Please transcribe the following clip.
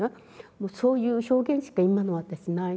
そういう表現しか今の私ないですね。